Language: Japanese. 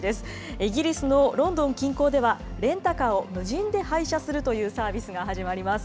イギリスのロンドン近郊では、レンタカーを無人で配車するというサービスが始まります。